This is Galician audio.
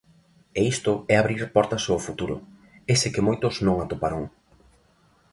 E isto é abrir portas ao futuro, ese que moitos non atoparon.